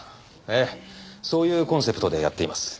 ええそういうコンセプトでやっています。